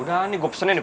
udah nih gue pesennya nih